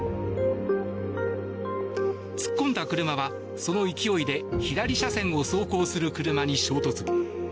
突っ込んだ車は、その勢いで左車線を走行する車に衝突。